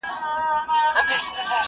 نه مېږیانو زده کړه ژبه د خزدکي٫